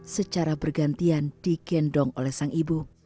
secara bergantian digendong oleh sang ibu